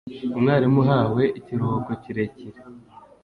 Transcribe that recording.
umwarimu uhawe ikiruhuko kirekire